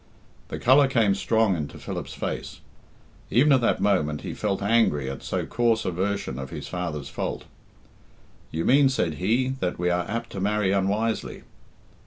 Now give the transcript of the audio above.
The colour came strong into Philip's face. Even at that moment he felt angry at so coarse a version of his father's fault. "You mean," said he, "that we are apt to marry unwisely."